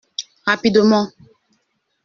Rapidement.